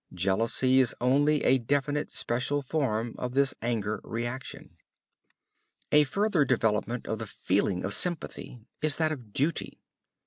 Jealousy is only a definite special form of this anger reaction. A further development of the feeling of sympathy is that of duty.